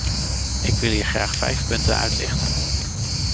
Ik wil hier graag vijf punten uitlichten.